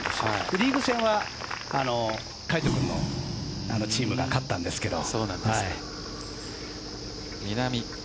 リーグ戦は魁斗君のチームが勝ったんですけど。